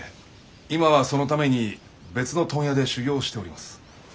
今はそのために別の問屋で修業をしております。